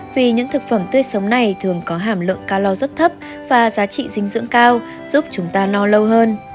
vì những thực phẩm tươi sống này thường có hàm lượng ca lo rất thấp và giá trị dinh dưỡng cao giúp chúng ta no lâu hơn